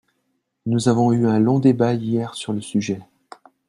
Nous avons eu un long débat hier sur le sujet.